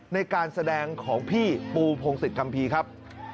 ในการแสดงของพี่ปูพงศิษยคัมภีร์ครับ